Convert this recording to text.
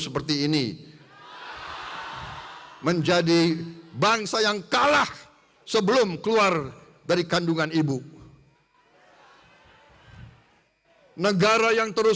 terima kasih peu